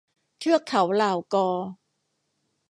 เทือกเถาเหล่ากอ